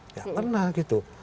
nggak pernah gitu